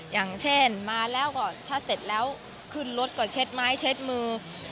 อย่างเช่นมาแล้วก็ถ้าเสร็จแล้วขึ้นรถก็เช็ดไม้เช็ดมือ